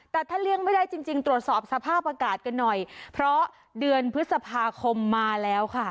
แต่ถ้าเลี่ยงไม่ได้จริงจริงตรวจสอบสภาพอากาศกันหน่อยเพราะเดือนพฤษภาคมมาแล้วค่ะ